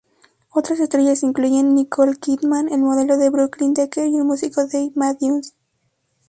Otras estrellas incluyen Nicole Kidman, la modelo Brooklyn Decker y el músico Dave Matthews.